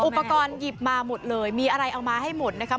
อุปกรณ์หยิบมาหมดเลยมีอะไรเอามาให้หมดนะครับ